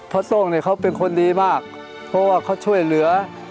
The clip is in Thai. ส้มเนี่ยเขาเป็นคนดีมากเพราะว่าเขาช่วยเหลือ